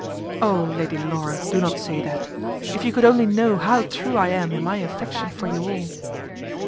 "Oh, Lady Laura, do not say that. If you could only know how true I am in my affection for you all."